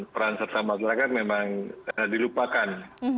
peran serta masyarakat memang dilupakan